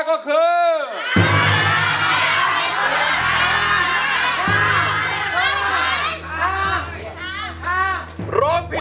คุณมูซาก็คือ